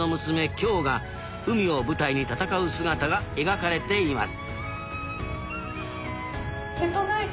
景が海を舞台に戦う姿が描かれています